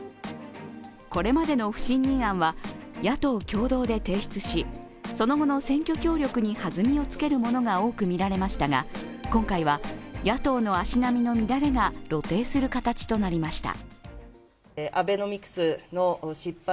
これまでの不信任案は野党共同で提出しその後の選挙協力に弾みをつけるものが多く見られましたが今回は野党の足並みの乱れが露呈する形となりました。